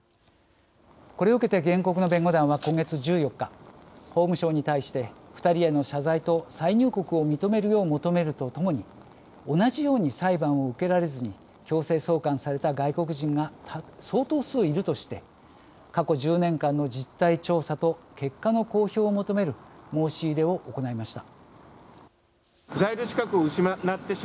これを受けて原告の弁護団は今月１４日、法務省に対して２人への謝罪と再入国を認めるよう求めるとともに同じように裁判を受けられずに強制送還された外国人が相当数いるとして過去１０年間の実態調査と結果の公表を求める申し入れを行いました。